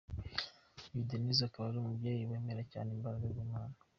Uyu Denise akaba ari umubyeyi wemera cyane imbaraga z’Imana.